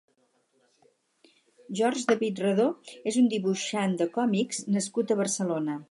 Jorge David Redó és un dibuixant de còmics nascut a Barcelona.